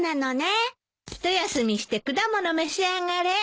一休みして果物召し上がれ。